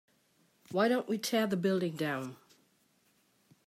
why don't we tear the building down?